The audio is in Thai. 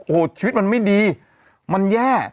โอ้โหชีวิตมันไม่ดีมันแย่